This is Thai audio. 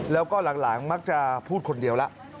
แล้วก็หลังมักจะพูดคนเดียวแล้ว